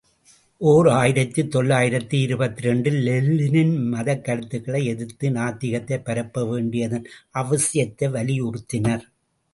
ஓர் ஆயிரத்து தொள்ளாயிரத்து இருபத்திரண்டு ல் லெனின் மதக்கருத்துக்களை எதிர்த்து நாத்திகத்தைப் பரப்ப வேண்டியதன் அவசியத்தை வலியுறுத்தினர்.